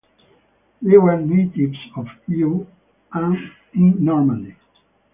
They were natives of Eu in Normandy.